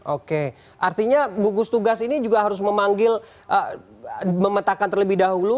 oke artinya gugus tugas ini juga harus memanggil memetakan terlebih dahulu